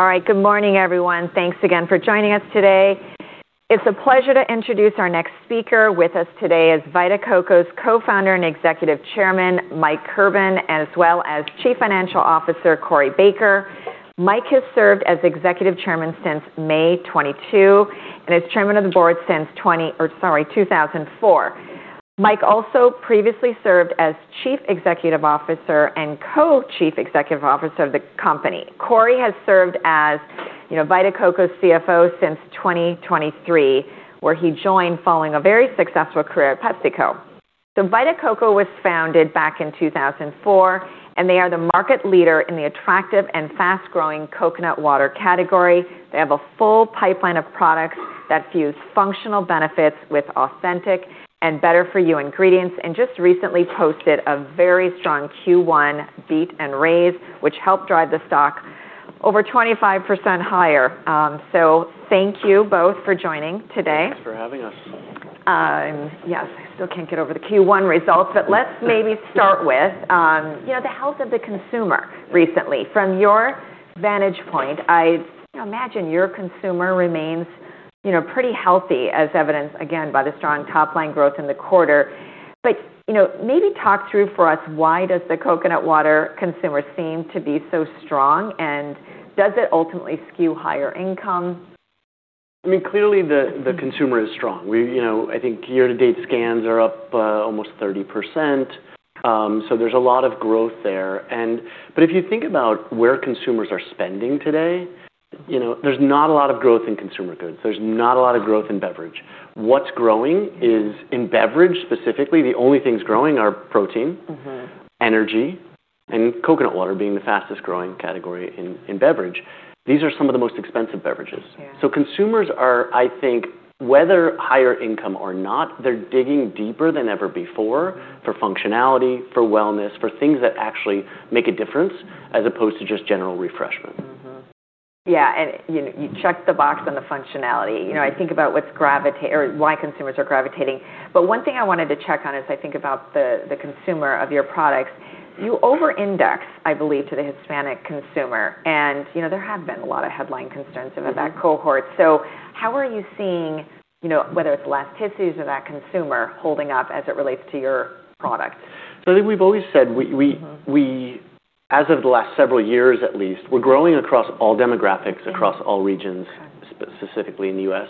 All right. Good morning, everyone. Thanks again for joining us today. It's a pleasure to introduce our next speaker. With us today is Vita Coco's Co-founder and Executive Chairman, Mike Kirban, as well as Chief Financial Officer, Corey Baker. Mike has served as Executive Chairman since May 2022, and as Chairman of the Board since 2004. Mike also previously served as Chief Executive Officer and Co-chief Executive Officer of the company. Corey has served as, you know, Vita Coco's CFO since 2023, where he joined following a very successful career at PepsiCo. Vita Coco was founded back in 2004, and they are the market leader in the attractive and fast-growing coconut water category. They have a full pipeline of products that fuse functional benefits with authentic and better for you ingredients, and just recently posted a very strong Q1 beat and raise, which helped drive the stock over 25% higher. Thank you both for joining today. Thanks for having us. Yes, I still can't get over the Q1 results. Let's maybe start with, you know, the health of the consumer recently. From your vantage point, I imagine your consumer remains, you know, pretty healthy, as evidenced again by the strong top-line growth in the quarter. You know, maybe talk through for us why does the coconut water consumer seem to be so strong, and does it ultimately skew higher income? I mean, clearly the consumer is strong. We, you know, I think year-to-date scans are up almost 30%. There's a lot of growth there. But if you think about where consumers are spending today, you know, there's not a lot of growth in consumer goods. There's not a lot of growth in beverage. What's growing is, in beverage specifically, the only things growing are protein, energy, and coconut water being the fastest-growing category in beverage. These are some of the most expensive beverages. Yeah. Consumers are, I think, whether higher income or not, they're digging deeper than ever before for functionality, for wellness, for things that actually make a difference as opposed to just general refreshment. Mm-hmm. Yeah. You know, you check the box on the functionality. You know, I think about why consumers are gravitating. One thing I wanted to check on as I think about the consumer of your products, you over-index, I believe, to the Hispanic consumer. You know, there have been a lot of headline concerns about that cohort. How are you seeing, you know, whether it's elasticity or that consumer holding up as it relates to your product? I think we've always said we, as of the last several years at least, we're growing across all demographics, across all regions. Okay specifically in the U.S.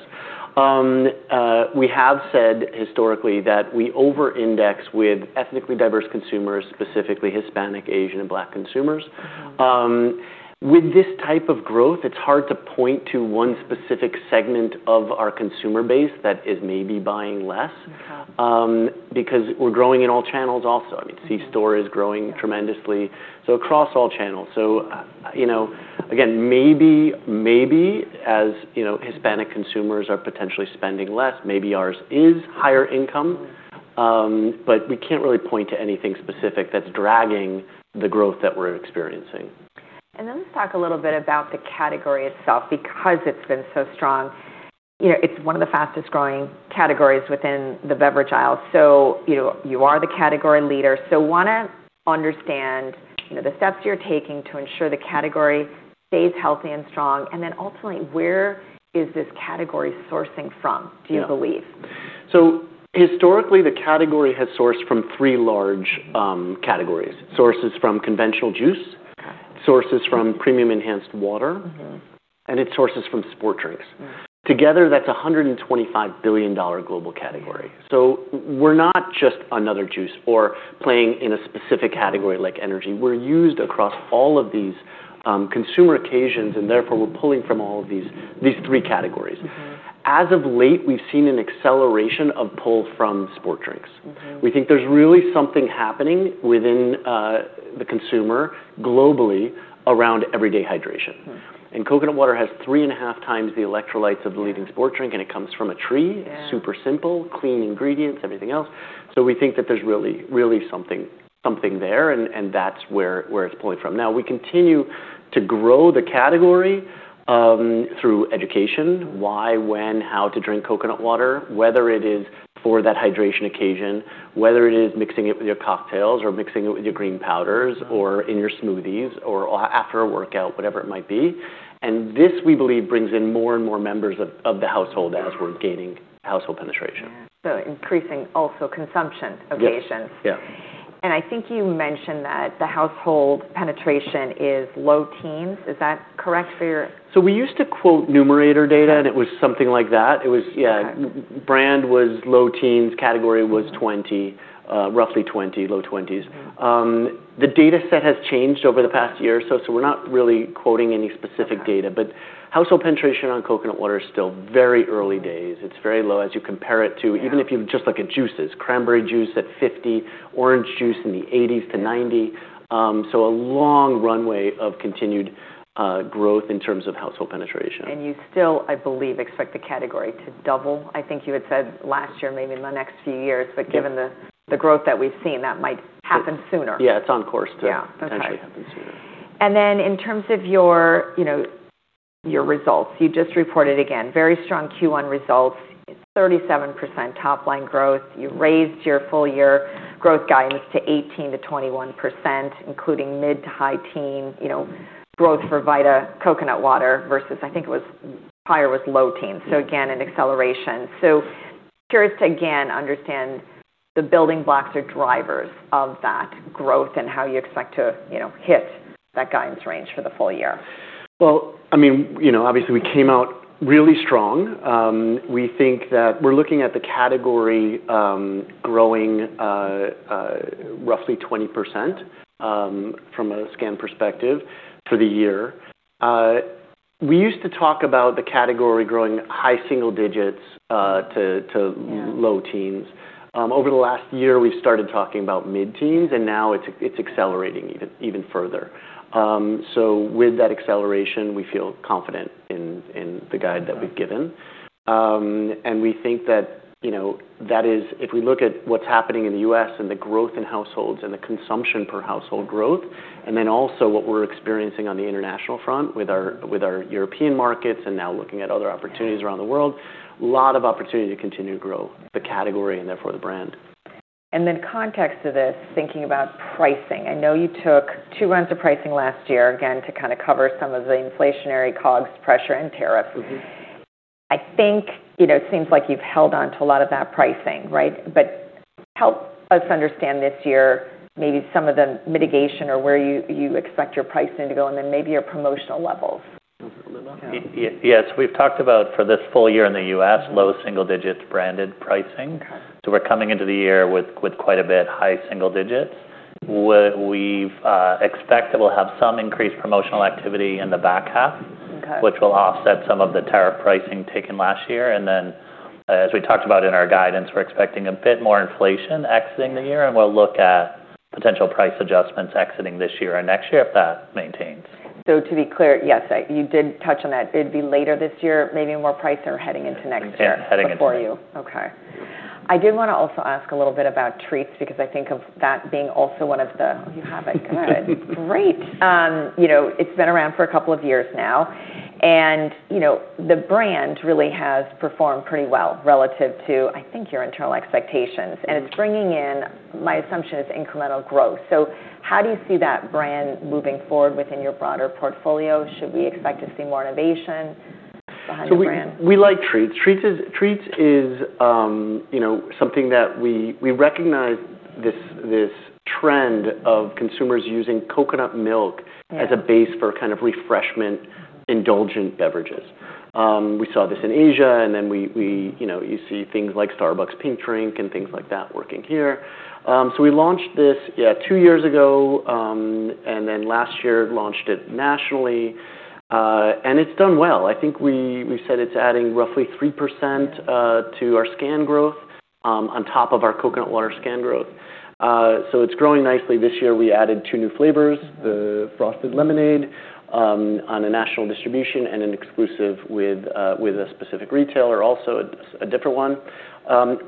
we have said historically that we over-index with ethnically diverse consumers, specifically Hispanic, Asian, and Black consumers. With this type of growth, it's hard to point to one specific segment of our consumer base that is maybe buying less. Okay because we're growing in all channels also. I mean, C-store is growing tremendously, so across all channels. you know, again, maybe as, you know, Hispanic consumers are potentially spending less, maybe ours is higher income. we can't really point to anything specific that's dragging the growth that we're experiencing. Let's talk a little bit about the category itself. It's been so strong, you know, it's one of the fastest-growing categories within the beverage aisle. You know, you are the category leader. Wanna understand, you know, the steps you're taking to ensure the category stays healthy and strong, and then ultimately, where is this category sourcing from? Yeah Do you believe? Historically, the category has sourced from three large, categories. Sources from conventional juice- Okay sources from premium enhanced water It sources from sport drinks. Together, that's a $125 billion global category. We're not just another juice or playing in a specific category like energy. We're used across all of these consumer occasions, therefore, we're pulling from all of these three categories. As of late, we've seen an acceleration of pull from sport drinks. We think there's really something happening within the consumer globally around everyday hydration. Coconut water has three and a half times the electrolytes of the leading sport drink, and it comes from a tree. Yeah. Super simple, clean ingredients, everything else. We think that there's really something there, and that's where it's pulling from. Now, we continue to grow the category through education. Why, when, how to drink coconut water, whether it is for that hydration occasion, whether it is mixing it with your cocktails or mixing it with your green powders or in your smoothies or after a workout, whatever it might be. This, we believe, brings in more and more members of the household as we're gaining household penetration. Yeah, increasing also consumption occasions. Yeah. Yeah. I think you mentioned that the household penetration is low teens. Is that correct? We used to quote Numerator data, and it was something like that. It was. Okay brand was low teens, category was 20, roughly 20, low twenties. The data set has changed over the past year or so, we're not really quoting any specific data. Okay. Household penetration on coconut water is still very early days. It's very low as you compare it to. Yeah even if you just look at juices. Cranberry juice at 50%, orange juice in the 80%-90%. A long runway of continued growth in terms of household penetration. You still, I believe, expect the category to double. I think you had said last year, maybe in the next few years. Yeah. Given the growth that we've seen, that might happen sooner. Yeah, it's on course. Yeah. That's right. potentially happen sooner. In terms of your, you know, your results, you just reported again, very strong Q1 results. It's 37% top-line growth. You raised your full year growth guidance to 18%-21%, including mid to high teen, you know, growth for Vita Coco Coconut Water versus, I think it was prior was low teens. Again, an acceleration. Curious to again understand the building blocks or drivers of that growth and how you expect to, you know, hit that guidance range for the full year. Well, I mean, you know, obviously, we came out really strong. We think that we're looking at the category, growing, roughly 20%, from a scan perspective for the year. We used to talk about the category growing high single digits, to- Yeah -ow teens. Over the last year, we've started talking about mid-teens, and now it's accelerating even further. With that acceleration, we feel confident in the guide that we've given. We think that, you know, If we look at what's happening in the U.S. and the growth in households and the consumption per household growth, and then also what we're experiencing on the international front with our European markets and now looking at other opportunities around the world, lot of opportunity to continue to grow the category and therefore the brand. Context to this, thinking about pricing. I know you took 2 runs of pricing last year, again, to kind of cover some of the inflationary COGS pressure and tariffs. I think, you know, it seems like you've held on to a lot of that pricing, right? Help us understand this year maybe some of the mitigation or where you expect your pricing to go and then maybe your promotional levels. Yes we've talked about for this full year in the U.S., low single digits branded pricing. Okay. We're coming into the year with quite a bit high single digits. We expect that we'll have some increased promotional activity in the back half. Okay which will offset some of the tariff pricing taken last year. As we talked about in our guidance, we're expecting a bit more inflation exiting the year, and we'll look at potential price adjustments exiting this year and next year if that maintains. To be clear, yes, you did touch on that. It'd be later this year, maybe more price or heading into next year. Yeah, heading into next. for you. Okay. I did want to also ask a little bit about Treats because I think of that being also one of the You have it. Good. Great. You know, it's been around for a couple of years now and, you know, the brand really has performed pretty well relative to, I think, your internal expectations. It's bringing in, my assumption, is incremental growth. How do you see that brand moving forward within your broader portfolio? Should we expect to see more innovation behind the brand? We like Treats. Treats is, you know, something that we recognize this trend of consumers using coconut milk. Yeah as a base for kind of refreshment indulgent beverages. We saw this in Asia, we, you know, you see things like Starbucks Pink Drink and things like that working here. We launched this two years ago, last year launched it nationally, it's done well. I think we said it's adding roughly 3% to our scan growth on top of our coconut water scan growth. It's growing nicely. This year, we added two new flavors, the Frosted Lemonade, on a national distribution and an exclusive with a specific retailer, also a different one.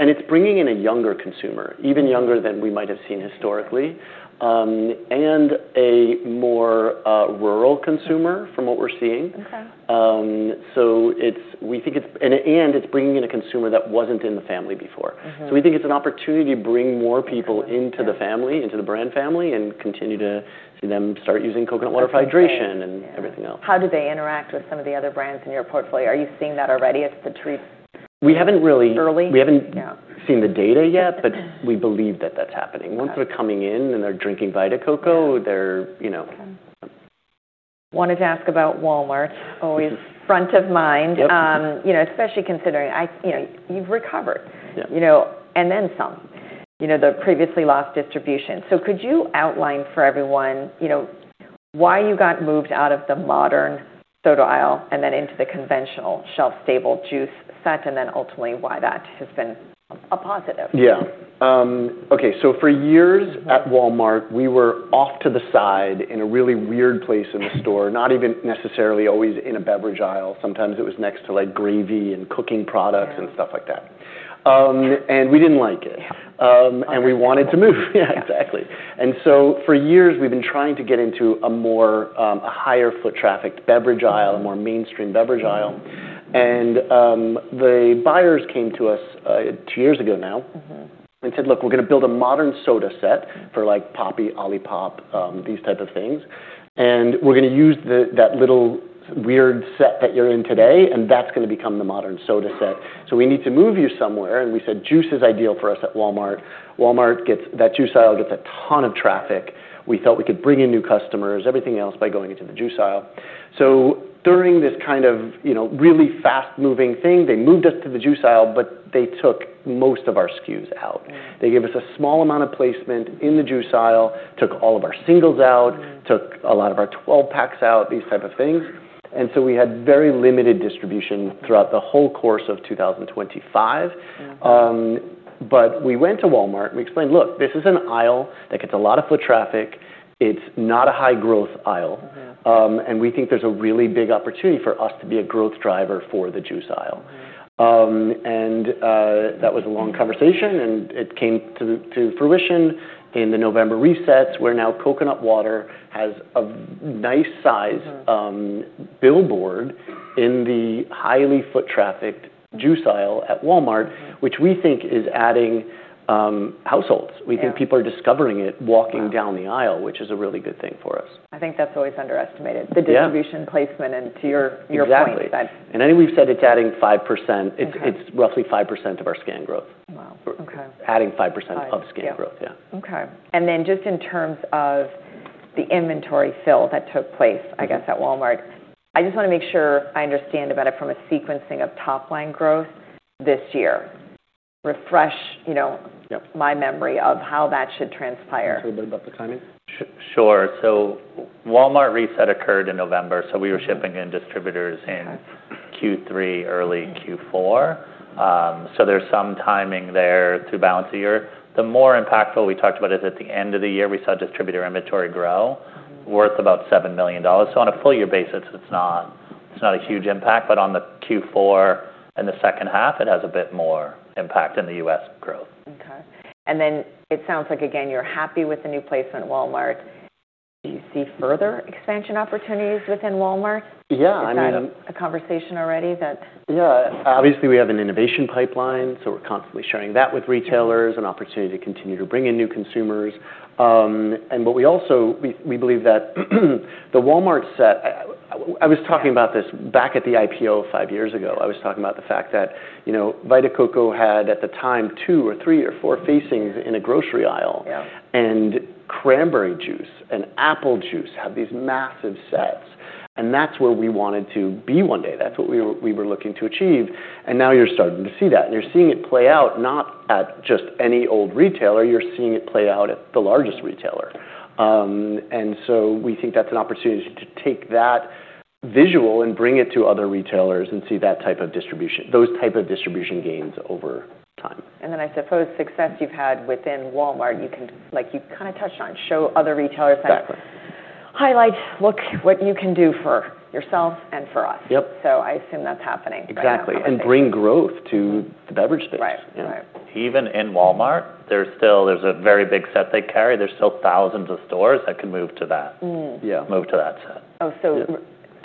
It's bringing in a younger consumer, even younger than we might have seen historically, and a more rural consumer from what we're seeing. Okay. We think it's bringing in a consumer that wasn't in the family before. We think it's an opportunity to bring more people into the family, into the brand family, and continue to see them start using coconut water for hydration. That's okay. Yeah. everything else. How do they interact with some of the other brands in your portfolio? Are you seeing that already as the Treats? We haven't really- Early? We haven't- Yeah Seen the data yet, but we believe that that's happening. Got it. Once they're coming in and they're drinking Vita Coco. Yeah they're, you know. Okay. Wanted to ask about Walmart. Always front of mind. Yep. You know, especially considering You know, you've recovered. Yeah. You know, and then some. You know, the previously lost distribution. Could you outline for everyone, you know, why you got moved out of the modern soda aisle and then into the conventional shelf-stable juice set, and then ultimately why that has been a positive? Yeah. Okay, for years at Walmart, we were off to the side in a really weird place in the store, not even necessarily always in a beverage aisle. Sometimes it was next to, like, gravy and cooking products. Yeah and stuff like that. We didn't like it. Yeah. We wanted to move. Yeah, exactly. For years, we've been trying to get into a more, a higher foot trafficked beverage aisle, a more mainstream beverage aisle. The buyers came to us, two years ago now. said, "Look, we're gonna build a modern soda set for like Poppi, OLIPOP, these type of things, and we're gonna use the, that little weird set that you're in today, and that's gonna become the modern soda set. We need to move you somewhere." We said juice is ideal for us at Walmart. That juice aisle gets a ton of traffic. We felt we could bring in new customers, everything else by going into the juice aisle. During this kind of, you know, really fast-moving thing, they moved us to the juice aisle, but they took most of our SKUs out. They gave us a small amount of placement in the juice aisle, took all of our singles out. Took a lot of our 12-packs out, these type of things. We had very limited distribution throughout the whole course of 2025. We went to Walmart and we explained, "Look, this is an aisle that gets a lot of foot traffic. It's not a high growth aisle. Yeah. We think there's a really big opportunity for us to be a growth driver for the juice aisle. Right. That was a long conversation, and it came to fruition in the November resets, where now coconut water has a nice size. Billboard in the highly foot trafficked juice aisle at Walmart, which we think is adding, households. Yeah. We think people are discovering it walking down the aisle, which is a really good thing for us. I think that's always underestimated. Yeah. The distribution placement and to your point. Exactly. I think we've said it's adding 5%. Okay. It's roughly 5% of our scan growth. Okay adding 5% of scale growth. Five. Yeah. Yeah. Okay. Then just in terms of the inventory fill that took place. I guess at Walmart, I just wanna make sure I understand about it from a sequencing of top line growth this year. Yep My memory of how that should transpire. Can you tell a bit about the timing? Sure. Walmart reset occurred in November, so we were shipping in distributors. Okay Q3, early Q4. There's some timing there to balance the year. The more impactful we talked about is at the end of the year, we saw distributor inventory. Worth about $7 million. On a full year basis, it's not a huge impact, but on the Q4 and the second half, it has a bit more impact in the U.S. growth. Okay. It sounds like, again, you're happy with the new placement at Walmart. Do you see further expansion opportunities within Walmart? Yeah, I mean. Is that a conversation already? Yeah. Obviously, we have an innovation pipeline, so we're constantly sharing that with retailers. an opportunity to continue to bring in new consumers. What we also, we believe that the Walmart set I was talking about this back at the IPO five years ago. I was talking about the fact that, you know, Vita Coco had, at the time, two or three or four facings in a grocery aisle. Yeah. Cranberry juice and apple juice had these massive sets, and that's where we wanted to be one day. That's what we were looking to achieve, and now you're starting to see that, and you're seeing it play out not at just any old retailer. You're seeing it play out at the largest retailer. We think that's an opportunity to take that visual and bring it to other retailers and see that type of distribution, those type of distribution gains over time. I suppose success you've had within Walmart, you can, like you kind of touched on, show other retailers. Exactly Highlight, look what you can do for yourself and for us. Yep. I assume that's happening right now. Exactly. In conversation. Bring growth to the beverage space. Right. Right. Even in Walmart, there's still a very big set they carry. There's still thousands of stores that can move to that. Yeah. Move to that set. Oh, so. Yeah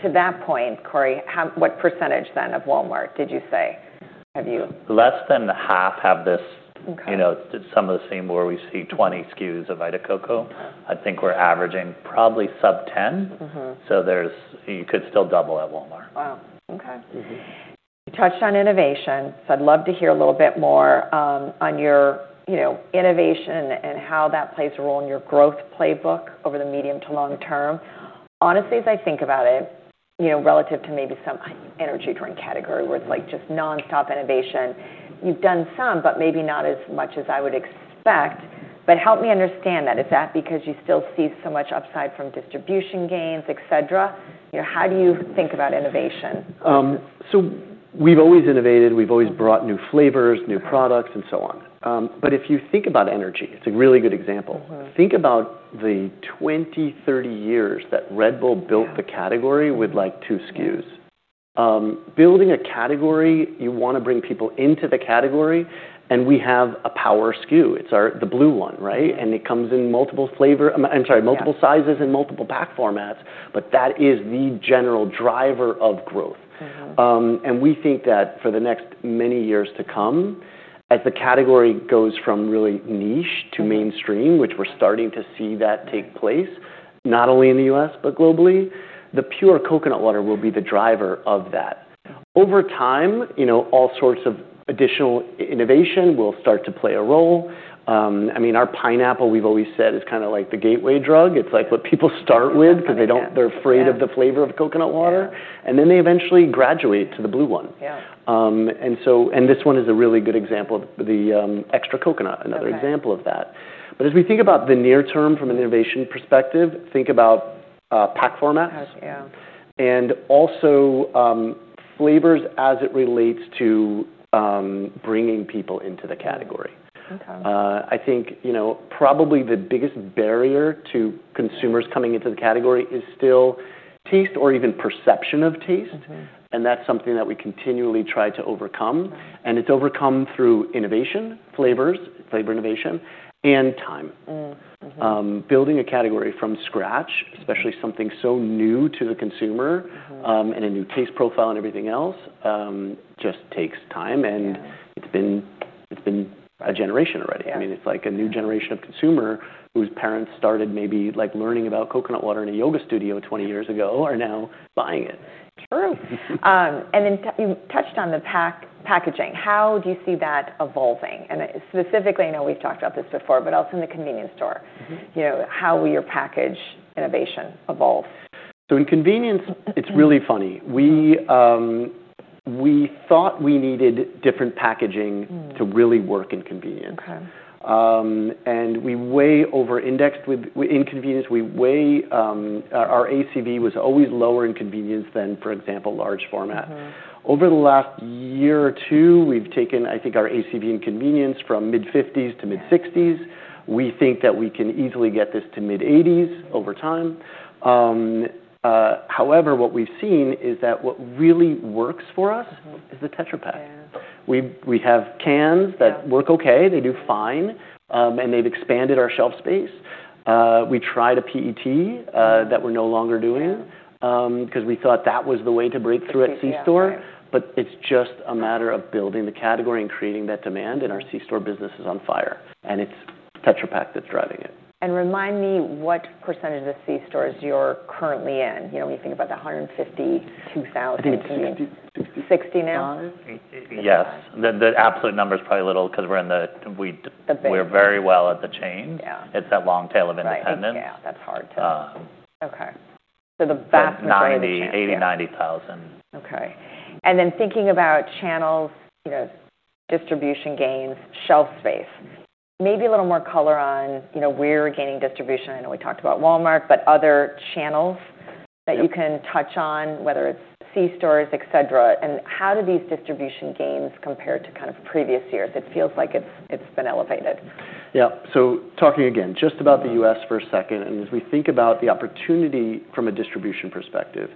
to that point, Corey, how, what percentage then of Walmart did you say have you? Less than half have this. Okay you know, some of the same where we see 20 SKUs of Vita Coco. Okay. I think we're averaging probably sub 10. You could still double at Walmart. Wow. Okay. You touched on innovation. I'd love to hear a little bit more on your, you know, innovation and how that plays a role in your growth playbook over the medium to long term. Honestly, as I think about it, you know, relative to maybe some energy drink category where it's like just nonstop innovation, you've done some, but maybe not as much as I would expect. Help me understand that. Is that because you still see so much upside from distribution gains, et cetera? You know, how do you think about innovation? We've always innovated. Okay. We've always brought new flavors. Okay new products, and so on. If you think about energy, it's a really good example. Think about the 20, 30 years that Red Bull. Yeah built the category with, like, 2 SKUs. building a category, you wanna bring people into the category, and we have a power SKU. It's our, the blue one, right? Yeah. It comes in multiple flavor I mean, I'm sorry. Yeah multiple sizes and multiple pack formats, but that is the general driver of growth. We think that for the next many years to come, as the category goes from really niche to mainstream, which we're starting to see that take place, not only in the U.S., but globally, the pure coconut water will be the driver of that. Yeah. Over time, you know, all sorts of additional innovation will start to play a role. I mean, our pineapple, we've always said is kind of like the gateway drug. It's like what people start with. That's right. Yeah 'cause they're afraid of the flavor of coconut water. Yeah. They eventually graduate to the blue one. Yeah. This one is a really good example of the extra coconut. Okay. Another example of that. As we think about the near term from an innovation perspective, think about pack formats. Package, yeah. Also, flavors as it relates to, bringing people into the category. Okay. I think, you know, probably the biggest barrier to consumers coming into the category is still taste or even perception of taste. That's something that we continually try to overcome. Right. It's overcome through innovation, flavors, flavor innovation, and time. building a category from scratch. Yeah especially something so new to the consumer. A new taste profile and everything else, just takes time. Yeah. It's been a generation already. Yeah. I mean, it's like a new generation of consumer whose parents started maybe, like, learning about coconut water in a yoga studio 20 years ago are now buying it. True. Then you touched on the packaging. How do you see that evolving? Specifically, I know we've talked about this before, but out in the convenience store. You know, how will your package innovation evolve? So in convenience- It's really funny. We thought we needed different packaging. to really work in convenience. Okay. We way over indexed with, in convenience. Our ACV was always lower in convenience than, for example, large format. Over the last year or two, we've taken, I think, our ACV and convenience from mid 50s to mid 60s. We think that we can easily get this to mid 80s over time. However, what we've seen is that what really works for us is the Tetra Pak. Yeah. We have cans. Yeah work okay. They do fine, and they've expanded our shelf space. We tried a PET that we're no longer doing. Yeah. Cause we thought that was the way to break through at C-store. It's just a matter of building the category and creating that demand, and our C-store business is on fire, and it's Tetra Pak that's driving it. Remind me what percentage of C-stores you're currently in. You know, when you think about the 152,000. I think sixty- 60% now? -five. Okay. Yes. The absolute number's probably a little, 'cause we're in the. The big- We're very well at the chain. Yeah. It's that long tail of independent. Right. Yeah, that's hard to Okay. The vast majority of the chain. $90,000. Okay. Thinking about channels, you know, distribution gains, shelf space, maybe a little more color on, you know, where you're gaining distribution? I know we talked about Walmart, but other channels that you can touch on, whether it's C-stores, et cetera. How do these distribution gains compare to kind of previous years? It feels like it's been elevated. Yeah. Talking again, just about the U.S. for a second, and as we think about the opportunity from a distribution perspective.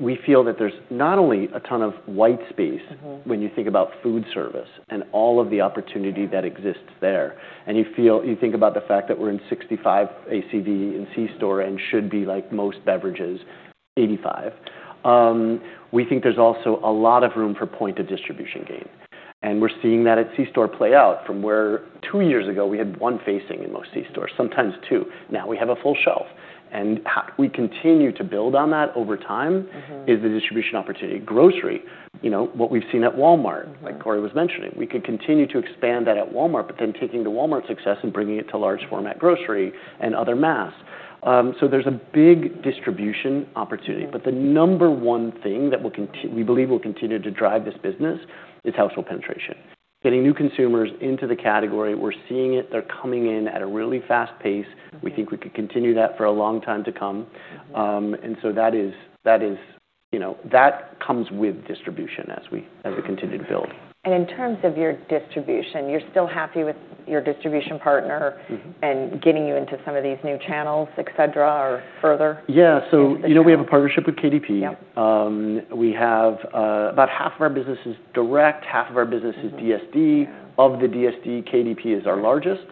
we feel that there's not only a ton of white space. When you think about food service and all of the opportunity that exists there, you think about the fact that we're in 65 ACV in C-store, and should be, like most beverages, 85. We think there's also a lot of room for point of distribution gain. We're seeing that at C-store play out from where two years ago we had one facing in most C-stores, sometimes two. Now we have a full shelf. We continue to build on that over time. is the distribution opportunity. Grocery, you know, what we've seen at Walmart- like Corey was mentioning. We could continue to expand that at Walmart, but then taking the Walmart success and bringing it to large format grocery and other mass. There's a big distribution opportunity. Yeah. The number one thing that we believe will continue to drive this business is household penetration. Getting new consumers into the category. We're seeing it, they're coming in at a really fast pace. We think we could continue that for a long time to come. That is, you know, that comes with distribution as we continue to build. In terms of your distribution, you're still happy with your distribution partner? Getting you into some of these new channels, et cetera, or further into the channel? Yeah, you know, we have a partnership with KDP. Yep. We have, about half of our business is direct, half of our business is DSD. Yeah. Of the DSD, KDP is our largest.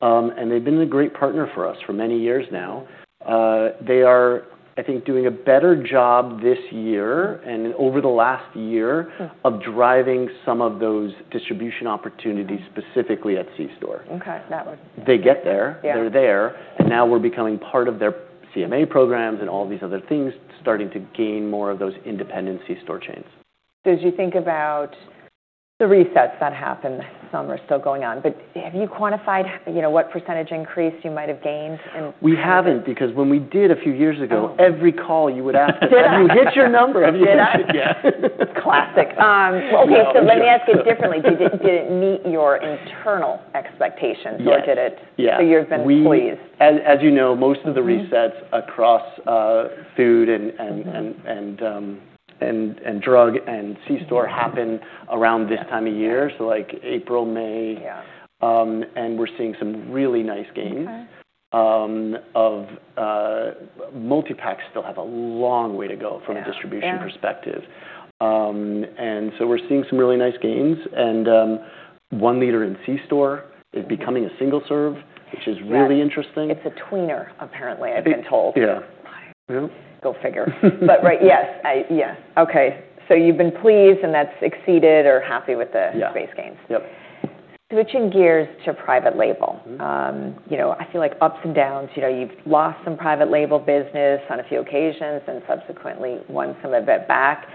They've been a great partner for us for many years now. They are, I think, doing a better job this year and over the last year. of driving some of those distribution opportunities specifically at C-store. Okay. That was Yeah. They get there. Yeah. They're there, and now we're becoming part of their CMA programs and all these other things, starting to gain more of those independent C-store chains. As you think about the resets that happened this summer, still going on, but have you quantified, you know, what % increase you might have gained? We haven't, because when we did a few years ago. Oh every call you would ask us that. Did you get your number? Did you get it? Yeah. Classic. Okay. We won't do that. Let me ask it differently. Did it meet your internal expectations? Yes or did it- Yeah You've been pleased? As you know, most of the resets. across food and drug and C-store happen around this time of year. Yeah. like April, May. Yeah. We're seeing some really nice gains. Okay of multi-pack still have a long way to go. Yeah a distribution perspective. Yeah. We're seeing some really nice gains and, 1L in C-store is becoming a single serve, which is really interesting. Yes. It's a tweener apparently, I've been told. Yeah. Go figure. Right, yes. I, yeah. Okay. You've been pleased and that's exceeded or happy with the. Yeah space gains? Yep. Switching gears to private label. You know, I feel like ups and downs, you know, you've lost some private label business on a few occasions, and subsequently won some of it back.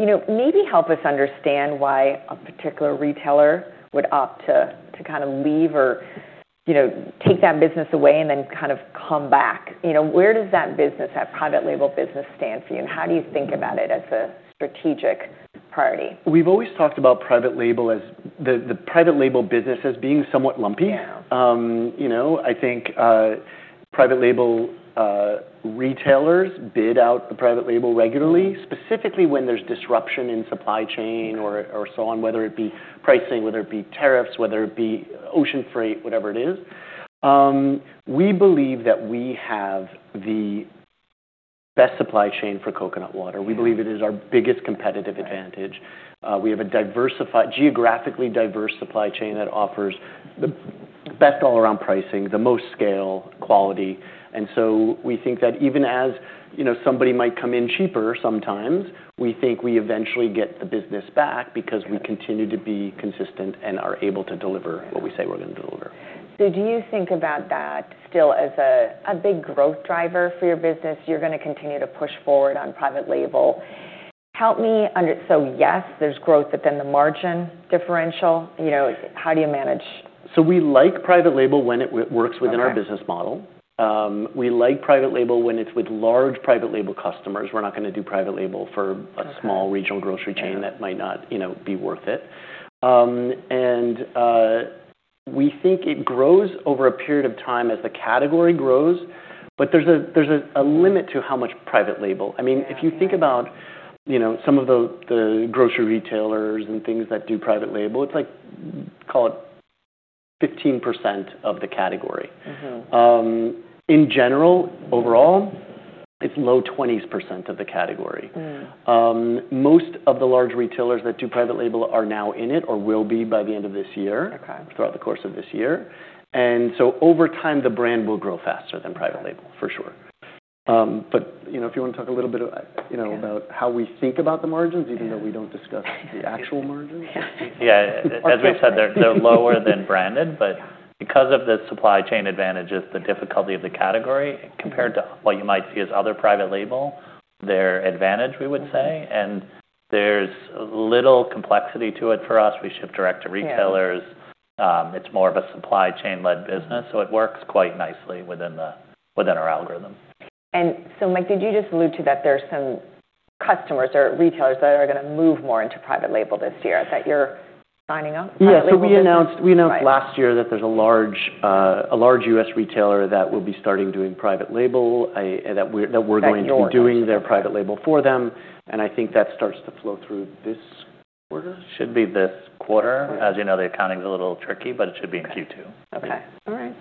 You know, maybe help us understand why a particular retailer would opt to kind of leave or, you know, take that business away and then kind of come back. You know, where does that private label business stand for you, and how do you think about it as a strategic priority? We've always talked about private label as the private label business as being somewhat lumpy. Yeah. you know, I think private label, retailers bid out the private label regularly. specifically when there's disruption in supply chain or so on, whether it be pricing, whether it be tariffs, whether it be ocean freight, whatever it is. We believe that we have the best supply chain for coconut water. Yeah. We believe it is our biggest competitive advantage. Right. We have a diversified, geographically diverse supply chain that offers the best all around pricing, the most scale, quality, and so we think that even as, you know, somebody might come in cheaper sometimes, we think we eventually get the business back because we continue to be consistent and are able to deliver what we say we're gonna deliver. Do you think about that still as a big growth driver for your business? You're gonna continue to push forward on private label? Help me. Yes, there's growth, but then the margin differential, you know, how do you manage? we like private label when it works within- Okay our business model. We like private label when it's with large private label customers. We're not gonna do private label. Okay A small regional grocery chain. Yeah that might not, you know, be worth it. We think it grows over a period of time as the category grows, but there's a limit to how much private label. Yeah. I mean, if you think about, you know, some of the grocery retailers and things that do private label, it's like, call it 15% of the category. In general, overall, it's low 20s% of the category. Most of the large retailers that do private label are now in it or will be by the end of this year. Okay. Throughout the course of this year. Over time, the brand will grow faster than private label, for sure. you know, if you wanna talk a little bit, you know. Yeah how we think about the margins even though we don't discuss the actual margins. Yeah. Yeah. As we said, they're lower than branded. Yeah because of the supply chain advantages, the difficulty of the category compared to what you might see as other private label, their advantage we would say. There's little complexity to it for us. We ship direct to retailers. Yeah. It's more of a supply chain led business, so it works quite nicely within our algorithm. Mike, did you just allude to that there's some customers or retailers that are going to move more into private label this year, that you're signing up private label business? Yeah. We announced last year that there is a large U.S. retailer that will be starting doing private label, that we are going to be doing. That you're announcing. Their private label for them, and I think that starts to flow through this quarter. Should be this quarter. As you know, the accounting's a little tricky. It should be in Q2. Okay. All right.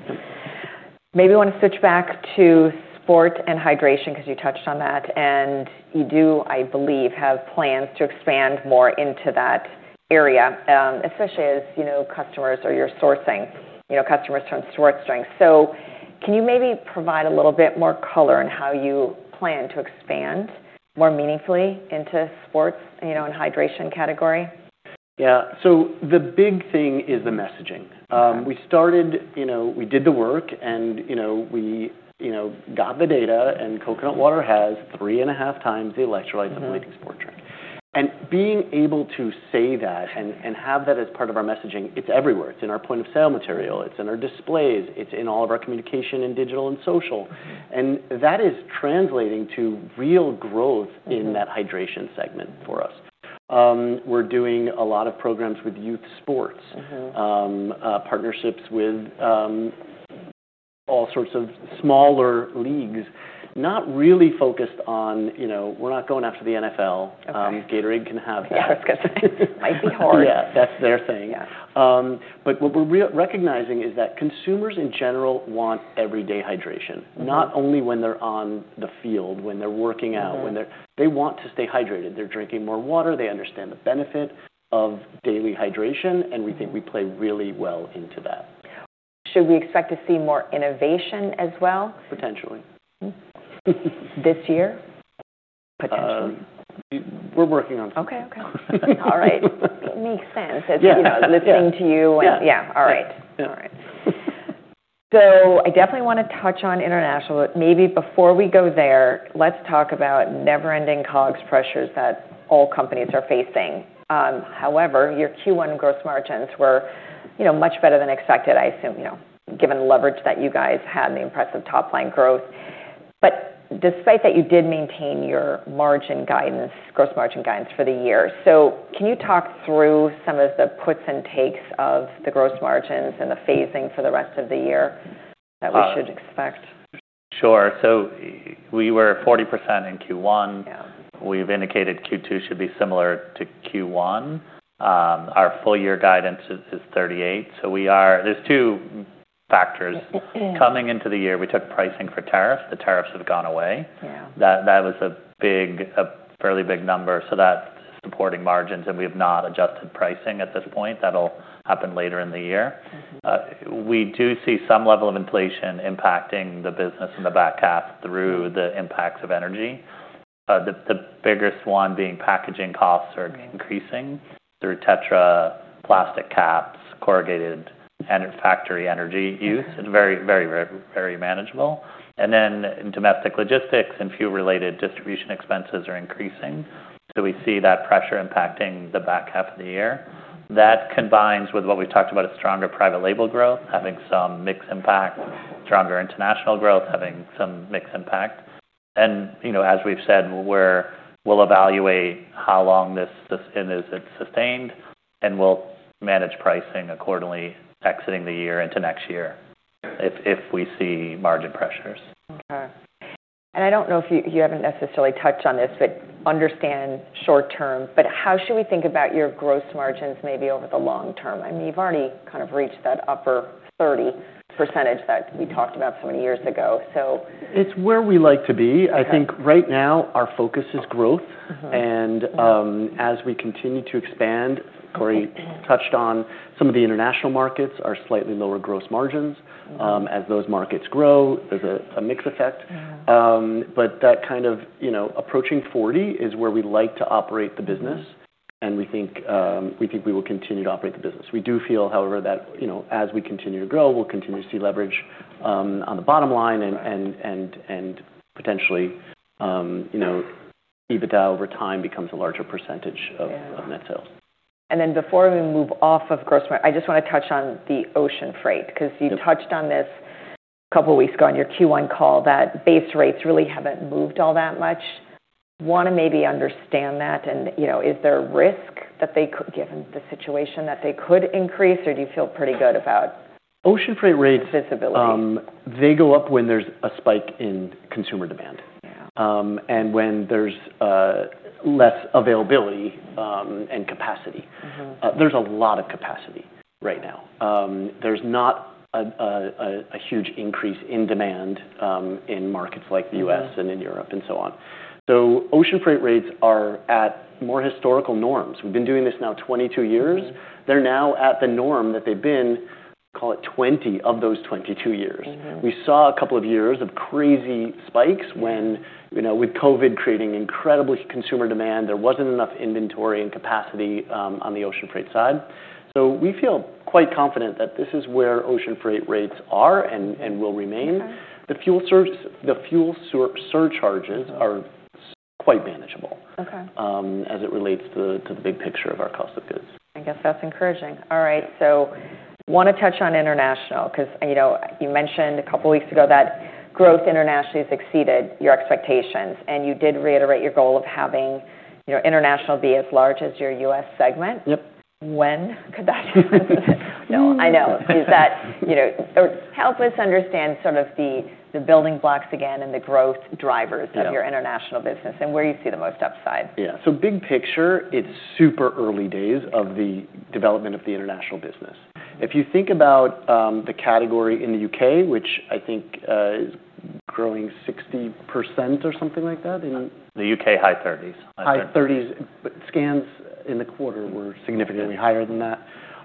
Maybe wanna switch back to sports and hydration, 'cause you touched on that, and you do, I believe, have plans to expand more into that area, especially as, you know, customers or you're sourcing, you know, customers turn to sports drinks. Can you maybe provide a little bit more color on how you plan to expand more meaningfully into sports, you know, and hydration category? Yeah. The big thing is the messaging. We started, you know, we did the work and, you know, we, you know, got the data and coconut water has three and a half times the electrolytes of a leading sport drink. Being able to say that and have that as part of our messaging, it's everywhere. It's in our point of sale material, it's in our displays, it's in all of our communication in digital and social. That is translating to real growth. In that hydration segment for us, we're doing a lot of programs with youth sports. Partnerships with, all sorts of smaller leagues, not really focused on, you know, we're not going after the NFL. Okay. Gatorade can have that. Yeah. That's good. Might be hard. Yeah. That's their thing. Yeah. What we're recognizing is that consumers in general want everyday hydration. Not only when they're on the field, when they're working out. They want to stay hydrated. They're drinking more water. They understand the benefit of daily hydration, and we think we play really well into that. Should we expect to see more innovation as well? Potentially. This year potentially? We're working on something. Okay. Okay. All right. Makes sense. Yeah. As, you know, listening to you. Yeah. Yeah. All right. Yeah. All right. I definitely wanna touch on international. Maybe before we go there, let's talk about never-ending COGS pressures that all companies are facing. However, your Q1 gross margins were, you know, much better than expected, I assume, you know, given leverage that you guys had and the impressive top line growth. Despite that, you did maintain your margin guidance, gross margin guidance for the year. Can you talk through some of the puts and takes of the gross margins and the phasing for the rest of the year that we should expect? Sure. We were 40% in Q1. Yeah. We've indicated Q2 should be similar to Q1. Our full year guidance is 38%. There's two factors. Coming into the year, we took pricing for tariffs. The tariffs have gone away. Yeah. That was a fairly big number. That's supporting margins. We have not adjusted pricing at this point. That'll happen later in the year. We do see some level of inflation impacting the business in the back half through the impacts of energy. The biggest one being packaging costs are increasing through Tetra, plastic caps, corrugated and factory energy use. Okay. Very manageable. Domestic logistics and fuel-related distribution expenses are increasing. We see that pressure impacting the back half of the year. That combines with what we've talked about as stronger private label growth, having some mix impact, stronger international growth, having some mix impact. You know, as we've said, we'll evaluate how long is it sustained, and we'll manage pricing accordingly exiting the year into next year if we see margin pressures. Okay. I don't know if you haven't necessarily touched on this, but understand short term, how should we think about your gross margins maybe over the long term? I mean, you've already kind of reached that upper 30% that we talked about so many years ago. It's where we like to be. Okay. I think right now our focus is growth. As we continue to expand, Corey touched on some of the international markets are slightly lower gross margins. Right. As those markets grow, there's a mix effect. That kind of, you know, approaching 40 is where we like to operate the business. We think we will continue to operate the business. We do feel, however, that, you know, as we continue to grow, we'll continue to see leverage on the bottom line and potentially, you know, EBITDA over time becomes a larger percentage of net sales. Yeah. Before we move off of I just wanna touch on the ocean freight, 'cause you touched on this a couple of weeks ago on your Q1 call, that base rates really haven't moved all that much. Wanna maybe understand that and, you know, is there a risk that they could Given the situation, that they could increase, or do you feel pretty good? Ocean freight rates. visibility? They go up when there's a spike in consumer demand. Yeah. When there's less availability and capacity. There's a lot of capacity right now. There's not a huge increase in demand, in markets like the U.S. and in Europe and so on. Ocean freight rates are at more historical norms. We've been doing this now 22 years. They're now at the norm that they've been. Call it 20 of those 22 years. We saw a couple of years of crazy spikes when. Yeah You know, with COVID creating incredible consumer demand, there wasn't enough inventory and capacity, on the ocean freight side. We feel quite confident that this is where ocean freight rates are and will remain. Okay. The fuel surcharges are quite manageable. Okay as it relates to the, to the big picture of our Cost of Goods. I guess that's encouraging. All right. Wanna touch on international 'cause, you know, you mentioned a couple weeks ago that growth internationally has exceeded your expectations, and you did reiterate your goal of having, you know, international be as large as your U.S. segment. Yep. When could that happen? No, I know. Help us understand sort of the building blocks again and the growth drivers? Yeah of your international business and where you see the most upside. Yeah. Big picture, it's super early days of the development of the international business. If you think about the category in the U.K., which I think is growing 60% or something like that. The U.K., high 30s. High 30s High 30s. Scans in the quarter were significantly higher than that.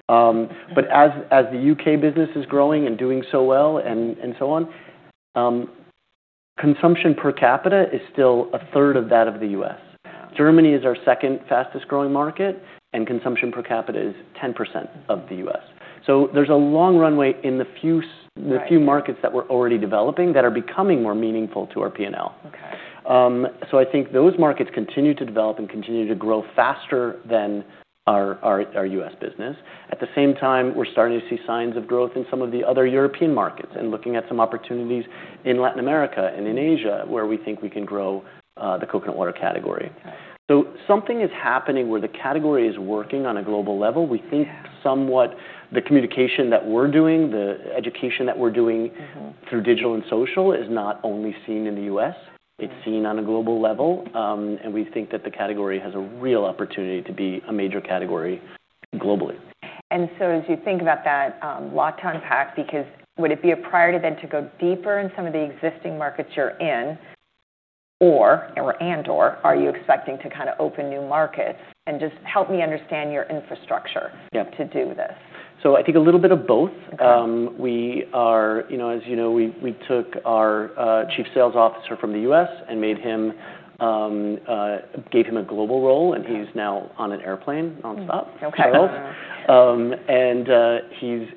As the U.K. business is growing and doing so well and so on, consumption per capita is still a third of that of the U.S. Yeah. Germany is our second fastest-growing market, and consumption per capita is 10% of the U.S. There's a long runway- Right -in the few markets that we're already developing that are becoming more meaningful to our P&L. Okay. I think those markets continue to develop and continue to grow faster than our U.S. business. At the same time, we're starting to see signs of growth in some of the other European markets, and looking at some opportunities in Latin America and in Asia where we think we can grow the coconut water category. Right. Something is happening where the category is working on a global level. Yeah. We think somewhat the communication that we're doing, the education that we're doing. Through digital and social is not only seen in the U.S. Right. It's seen on a global level. We think that the category has a real opportunity to be a major category globally. As you think about that, lot to unpack because would it be a priority then to go deeper in some of the existing markets you're in, or and/or are you expecting to kind of open new markets? Just help me understand your infrastructure. Yeah to do this. I think a little bit of both. Okay. We are, you know, as you know, we took our chief sales officer from the U.S. and gave him a global role. Okay. He's now on an airplane nonstop. Okay.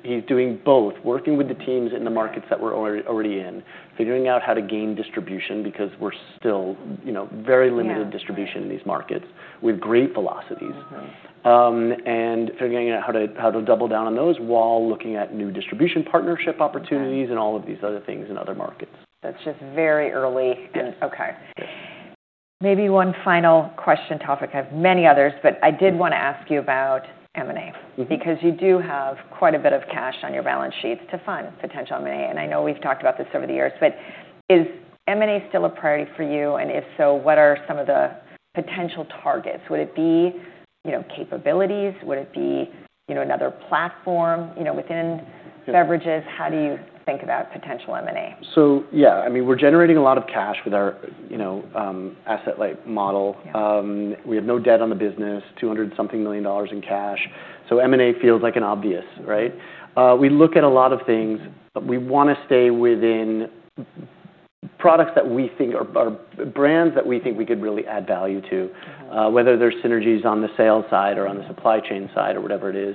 He's doing both, working with the teams in the markets. Okay that we're already in, figuring out how to gain distribution because we're still, you know, very limited. Yeah distribution in these markets with great velocities. figuring out how to double down on those while looking at new distribution partnership opportunities. Okay All of these other things in other markets. That's just very early. Yeah. Okay. Yeah. Maybe one final question topic. I have many others, but I did wanna ask you about M&A. You do have quite a bit of cash on your balance sheets to fund potential M&A, and I know we've talked about this over the years. Is M&A still a priority for you? If so, what are some of the potential targets? Would it be, you know, capabilities? Would it be, you know, another platform? Yeah Beverages? How do you think about potential M&A? Yeah, I mean, we're generating a lot of cash with our, you know, asset light model. Yeah. We have no debt on the business, $200 something million in cash. M&A feels like an obvious, right? We look at a lot of things. We wanna stay within products that we think are brands that we think we could really add value to. Okay Whether there's synergies on the sales side or on the supply chain side or whatever it is.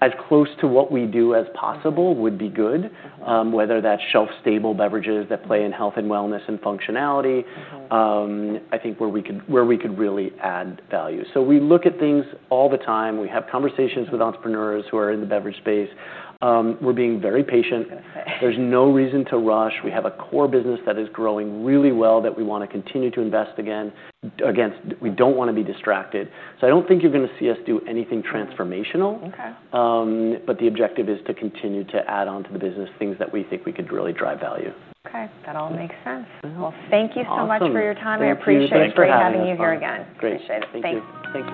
As close to what we do as possible would be good. Okay. Whether that's shelf stable beverages that play in health and wellness and functionality I think where we could, where we could really add value. We look at things all the time. We have conversations with entrepreneurs who are in the beverage space. We're being very patient. There's no reason to rush. We have a core business that is growing really well that we wanna continue to invest again. We don't wanna be distracted. I don't think you're gonna see us do anything transformational. Okay. The objective is to continue to add onto the business things that we think we could really drive value. Okay. That all makes sense. Yeah. Well, thank you so much Awesome -for your time. I appreciate. Thank you. Thanks for having us having you here again. It was fun. Great. Appreciate it. Thank you. Thanks.